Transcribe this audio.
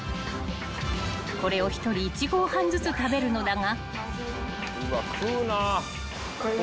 ［これを１人１合半ずつ食べるのだが］